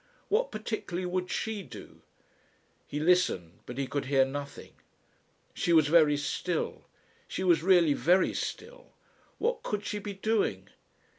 What particularly would she do? He listened, but he could hear nothing. She was very still. She was really very still! What could she be doing?